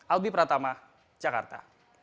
albi pratama jakarta